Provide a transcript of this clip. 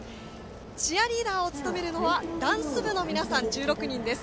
チアリーダーを務めるのはダンス部の１６人の皆さんです。